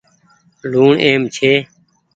لوُڻ اهم ڇي۔